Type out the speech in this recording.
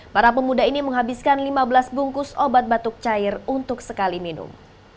para pemuda ini menghabiskan lima belas bungkus obat batuk cair untuk sekali minum